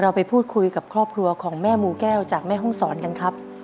ไปพูดคุยกับครอบครัวของแม่มูแก้วจากแม่ห้องศรกันครับ